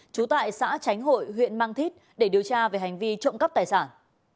trú tại xã tránh hội huyện mang thít để điều tra về hành vi trộm cắp tài sản